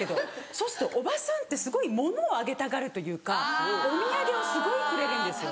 そうするとおばさんってすごい物をあげたがるというかお土産をすごいくれるんですよ。